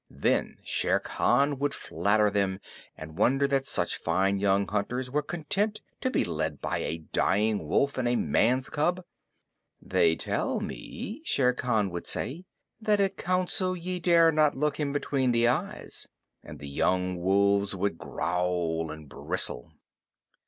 Then Shere Khan would flatter them and wonder that such fine young hunters were content to be led by a dying wolf and a man's cub. "They tell me," Shere Khan would say, "that at Council ye dare not look him between the eyes." And the young wolves would growl and bristle.